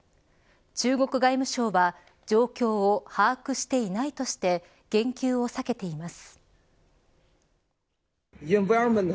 中国外務省は状況を把握していないとして言及を避けています。